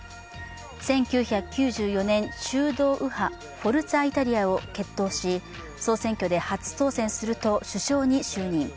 １９９４年、中道右派フォルツァ・イタリアを結党し総選挙で初当選すると首相に就任。